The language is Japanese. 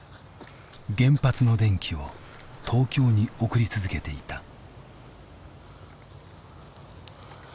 原発の電気を東京に送り続けていた。